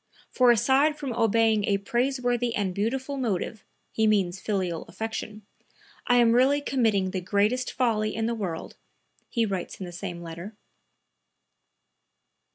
"For aside from obeying a praiseworthy and beautiful motive" (he means filial affection), "I am really committing the greatest folly in the world," he writes in the same letter.)